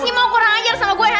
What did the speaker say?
masih mau kurang ajar sama gue